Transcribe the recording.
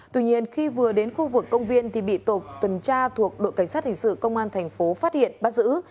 tuy nhiên khi vừa đến khu vực công viên thì bị tổ tuần tra thuộc đội cảnh sát hình sự công an thành phố phát hiện bắt giữ